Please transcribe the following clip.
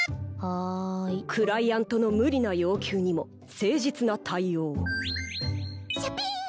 はいクライアントの無理な要求にも誠実な対応をシャピーン！